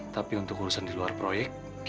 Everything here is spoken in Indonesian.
tapi untuk urusan di luar proyek